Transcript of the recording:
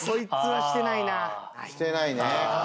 してないね。